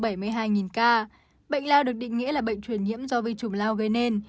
bệnh lao được định nghĩa là bệnh truyền nhiễm do vi chủng lao gây nên